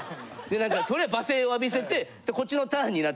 何かそれ罵声を浴びせてこっちのターンになって。